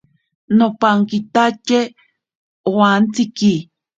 Nopankitatye owantsiki.